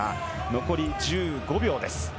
残り１５秒です。